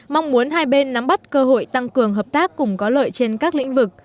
mong muốn hai bên nắm bắt cơ hội tăng cường hợp tác cùng có lợi trên các lĩnh vực